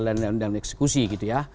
regulator dan eksekusi gitu ya